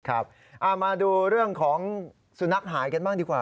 มาดูเรื่องของสุนัขหายกันบ้างดีกว่า